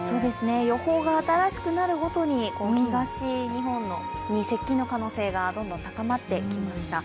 予報が新しくなるごとに東日本に接近の可能性がどんどん高まってきました。